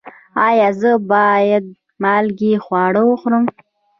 ایا زه باید مالګین خواړه وخورم؟